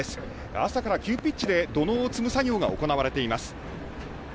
朝から急ピッチで土のうを積む作業が行われています。